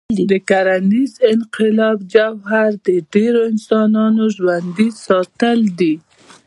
د کرنيز انقلاب جوهر د ډېرو انسانانو ژوندي ساتل دي.